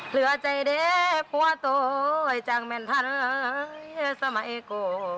เหลือใจเด็กพ่อโตจากแม่นทันสมัยก่อ